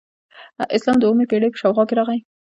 اسلام د اوومې پیړۍ په شاوخوا کې راغی